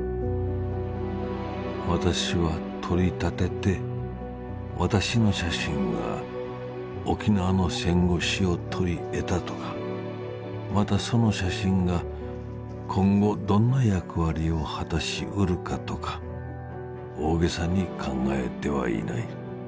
「私は取り立てて私の写真が沖縄の戦後史を撮りえたとかまたその写真が今後どんな役割を果たしうるかとか大げさに考えてはいない。